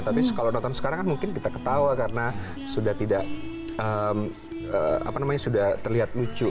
tapi kalau nonton sekarang kan mungkin kita ketawa karena sudah tidak terlihat lucu